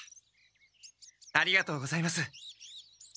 ありがとうございます。